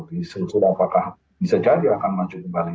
diselusur apakah bisa jadi akan lanjut kembali